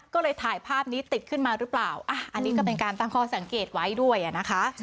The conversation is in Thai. ก็เลยถ่ายภาพนี้ติดขึ้นมาหรือเปล่าอันนี้ก็เป็นการตั้งข้อสังเกตไว้ด้วยนะคะ